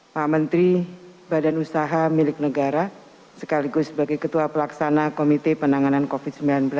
pak menteri badan usaha milik negara sekaligus sebagai ketua pelaksana komite penanganan covid sembilan belas